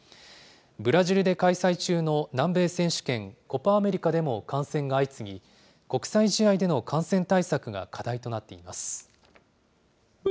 ブラジルで開催中の南米選手権、コパ・アメリカでも感染が相次ぎ、国際試合での感染対策が課題となっています。